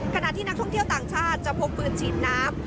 ขณะที่นักท่องเที่ยวต่างชาติจะพกปืนฉีดน้ำ